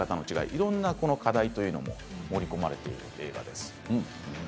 いろんな課題も盛り込まれている映画です。